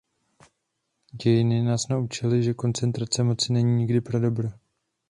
Dějiny nás naučily, že koncentrace moci není nikdy pro dobro.